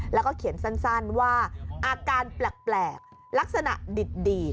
แล้วก็เขียนสั้นว่าอาการแปลกลักษณะดีด